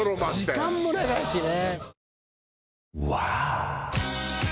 時間も長いしね。